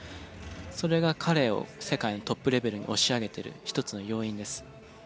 それが彼を世界トップレベルに押し上げてる１つの要因です。